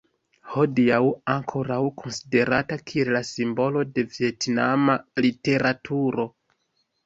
Hodiaŭ ankoraŭ konsiderata kiel la simbolo de vjetnama literaturo.